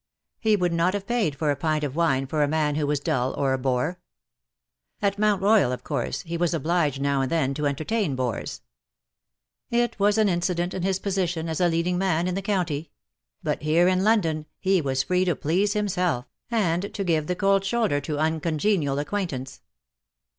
He would not have paid for a pint of wine for a man who was dull, or a bore. At Mount Royal, of course, he was obliged now and then to entertain bores. It was an incident in his position as a leading man in the county — but here in London he was free to please himself, and to give the cold shoulder to uncongenial acquaintance.